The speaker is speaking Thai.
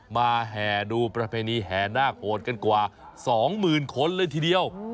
มาแห่ดูประเภณีแห่น่าโกรธกันกว่าสองหมื่นคนเลยทีเดียว